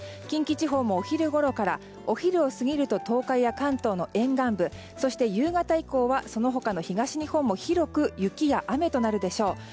近畿地方もお昼ごろからお昼を過ぎると東海や関東の沿岸部そして夕方以降はその他の東日本も広く雪や雨となるでしょう。